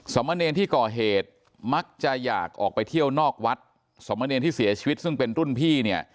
มะเนรที่ก่อเหตุมักจะอยากออกไปเที่ยวนอกวัดสมเนรที่เสียชีวิตซึ่งเป็นรุ่นพี่เนี่ย